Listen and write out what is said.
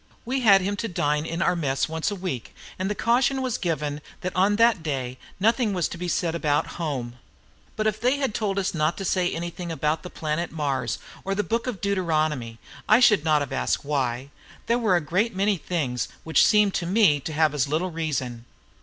We had him to dine in our mess once a week, and the caution was given that on that day nothing was to be said about home. But if they had told us not to say anything about the planet Mars or the Book of Deuteronomy, I should not have asked why; there were a great many things which seemed to me to have as little reason.